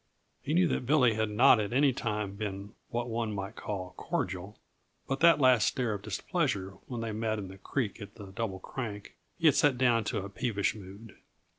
He knew that Billy had not at any time been what one might call cordial, but that last stare of displeasure when they met in the creek at the Double Crank, he had set down to a peevish mood.